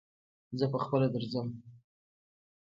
زه پهخپله درځم.